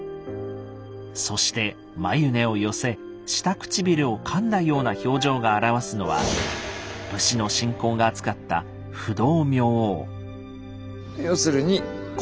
そして眉根を寄せ下唇をかんだような表情が表すのは武士の信仰があつかったあなるほど。